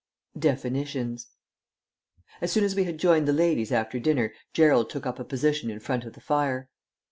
DEFINITIONS As soon as we had joined the ladies after dinner Gerald took up a position in front of the fire.